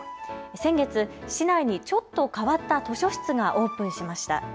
先月、市内にちょっと変わった図書室がオープンしました。